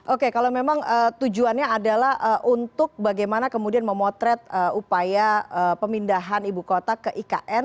oke kalau memang tujuannya adalah untuk bagaimana kemudian memotret upaya pemindahan ibu kota ke ikn